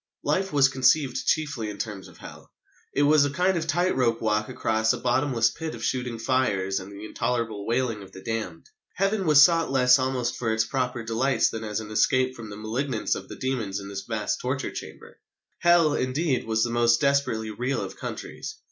Life was conceived chiefly in terms of Hell. It was a kind of tight rope walk across a bottomless pit of shooting fires and the intolerable wailing of the damned. Heaven was sought less almost for its proper delights than as an escape from the malignance of the demons in this vast torture chamber. Hell, indeed, was the most desperately real of countries.